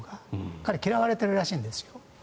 彼、嫌われているらしいんです。